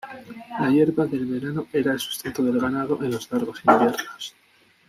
La hierba del verano era el sustento del ganado en los largos inviernos.